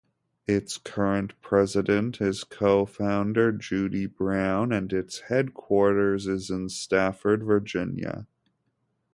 Its current president is cofounder Judie Brown and its headquarters is in Stafford, Virginia.